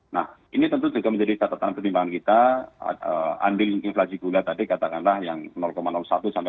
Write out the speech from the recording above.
nah ini tentu juga menjadi catatan pertimbangan kita unding inflasi gula tadi katakanlah yang satu sampai dua ribu